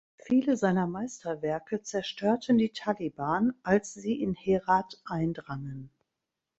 Viele seiner Meisterwerke zerstörten die Taliban, als sie in Herat eindrangen.